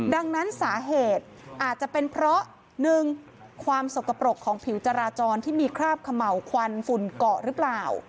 ดังนั้นสาเหตุอาจจะเป็นเพราะ๑ความสกปรกของผิวจราจรที่มีคราบเขม่าวควันฝุ่นเกาะหรือเปล่า